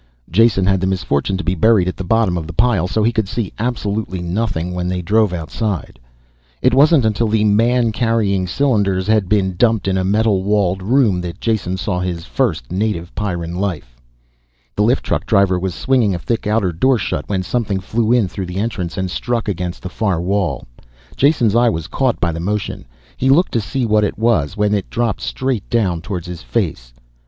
Jason had the misfortune to be buried at the bottom of the pile so he could see absolutely nothing when they drove outside. It wasn't until the man carrying cylinders had been dumped in a metal walled room, that Jason saw his first native Pyrran life. The lift truck driver was swinging a thick outer door shut when something flew in through the entrance and struck against the far wall. Jason's eye was caught by the motion, he looked to see what it was when it dropped straight down towards his face.